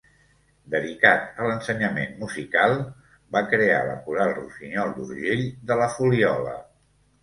Dedicat a l'ensenyament musical, va crear la coral Rossinyol d'Urgell de La Fuliola.